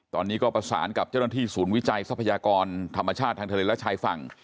ตอนนี้ก็ประสานกับเจ้าหน้าที่ศูนย์วิจัยทรัพยากรธรรมชาติทางทะเลและชายฝั่ง